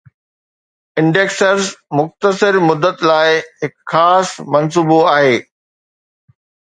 Indexers مختصر مدت لاء هڪ خاص منصوبو آهي